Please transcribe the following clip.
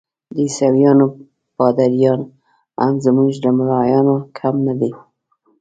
د عیسویانو پادریان هم زموږ له ملایانو کم نه دي.